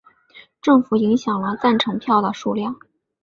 政府影响了赞成票的数量。